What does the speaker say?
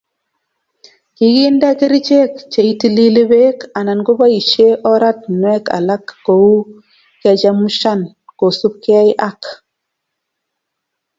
Kikinde kerichek cheitilili Bek anan koboisie oratinwek alak kou kechemshan kosubkei ak